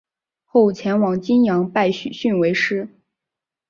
后前往旌阳拜许逊为师。